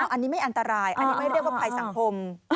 อันนี้ไม่อันตรายอันนี้ไม่เรียกว่าภัยสังคม